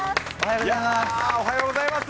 おはようございます。